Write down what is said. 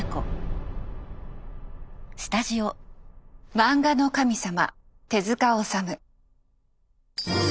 漫画の神様手治虫。